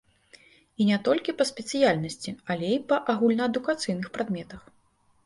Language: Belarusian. І не толькі па спецыяльнасці, але і па агульнаадукацыйных прадметах.